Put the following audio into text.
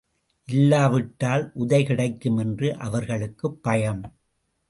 இல்லாவிட்டால் உதை கிடைக்கும் என்று அவர்களுக்குப் பயம்.